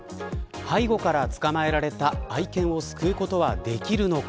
背後から捕まえられた愛犬を救うことはできるのか。